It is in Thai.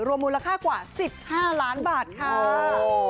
มูลค่ากว่า๑๕ล้านบาทค่ะ